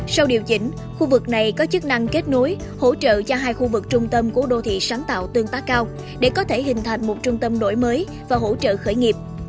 sau điều chỉnh khu vực này có chức năng kết nối hỗ trợ cho hai khu vực trung tâm của đô thị sáng tạo tương tác cao để có thể hình thành một trung tâm đổi mới và hỗ trợ khởi nghiệp